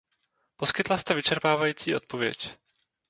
Poskytla jste vyčerpávající odpověď.